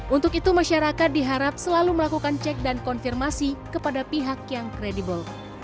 untuk itu masyarakat diharap selalu melakukan cek dan konfirmasi kepada pihak yang kredibel